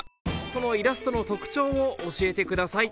そのイラストの特徴を教えてください